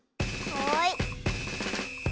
はい。